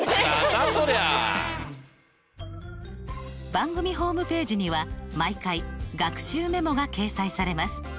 番組ホームページには毎回学習メモが掲載されます。